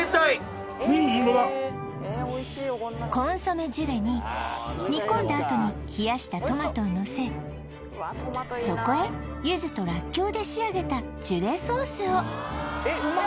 ホントだコンソメジュレに煮込んだあとに冷やしたトマトをのせそこへ柚子とらっきょうで仕上げたジュレソースをえっうま